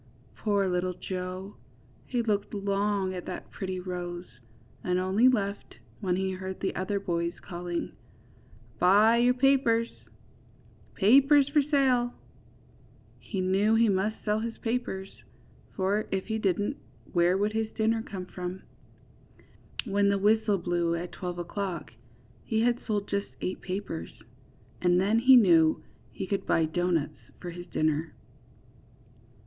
Poor little Joe. He looked long at that pretty rose, and only left when he heard the other boys calling, ^^Buy your papers! papers 30 JOE'S ROSEBUSH. for saUr^ He knew he must sell his papers, for if he didn^t where would his dinner come from? When the whistle blew at twelve o^clock he had sold just eight papers, and then he knew he could buy doughnuts for his dinner.